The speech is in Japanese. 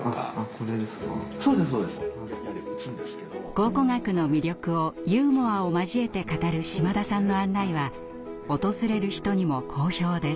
考古学の魅力をユーモアを交えて語る島田さんの案内は訪れる人にも好評です。